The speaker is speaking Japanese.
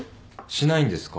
しないんですか？